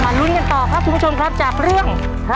มารุ้นกันต่อครับคุณผู้ชมครับจากเรื่องพระอภัยมณีครับ